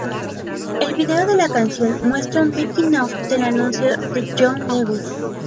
El video de la canción muestra un making of del anuncio de John Lewis.